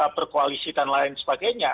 berkoalisi dan lain sebagainya